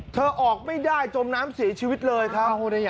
ออกไม่ได้จมน้ำเสียชีวิตเลยครับ